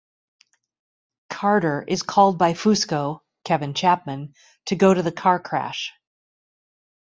Carter is called by Fusco (Kevin Chapman) to go to the car crash.